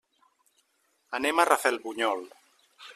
Anem a Rafelbunyol.